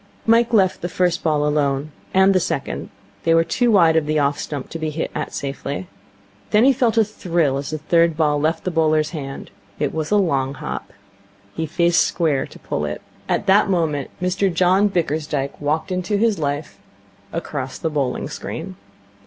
Mike left the first ball alone, and the second. They were too wide of the off stump to be hit at safely. Then he felt a thrill as the third ball left the bowler's hand. It was a long hop. He faced square to pull it. And at that moment Mr John Bickersdyke walked into his life across the bowling screen.